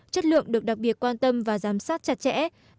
chất lượng được đặc biệt quan tâm và giám sát chặt chẽ